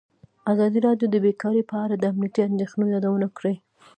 ازادي راډیو د بیکاري په اړه د امنیتي اندېښنو یادونه کړې.